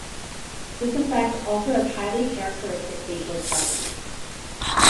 This affect also has highly characteristic facial expressions.